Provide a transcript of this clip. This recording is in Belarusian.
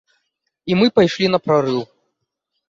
І мы пайшлі на прарыў.